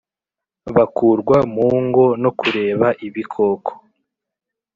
bakurwa mu ngo no kureba ibikoko,